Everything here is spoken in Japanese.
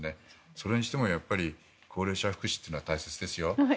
それにしても高齢者福祉は大切ですよ。